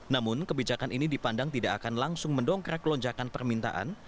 namun kebijakan ini dipandang tidak akan langsung mendongkrak lonjakan permintaan